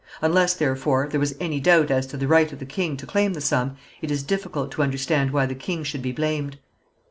Unless, therefore, there was any doubt as to the right of the king to claim the sum, it is difficult to understand why the king should be blamed.